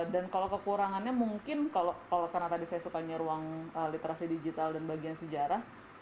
dan kalau kekurangannya mungkin kalau karena tadi saya sukanya ruang literasi digital dan bagian sejarah